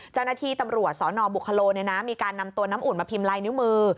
เจ้าหน้าที่ตำรวจสนบุคโลมีการนำตัวน้ำอุ่นมาพิมพ์ลายนิ้วมือ